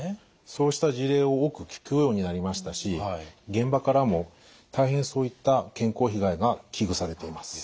そうした事例を多く聞くようになりましたし現場からも大変そういった健康被害が危惧されています。